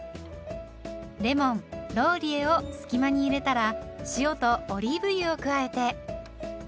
レモンローリエを隙間に入れたら塩とオリーブ油を加えて。